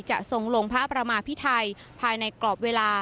ทรงลงพระประมาพิไทยภายในกรอบเวลา